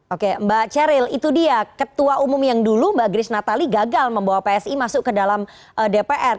oke mbak ceril itu dia ketua umum yang dulu mbak grace natali gagal membawa psi masuk ke dalam dpr